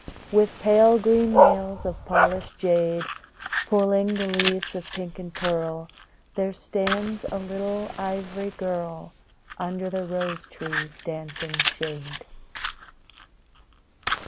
With pale green nails of polished jade, Pulling the leaves of pink and pearl, There stands a little ivory girl Under the rose tree's dancing shade.